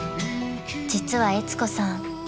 ［実はえつ子さん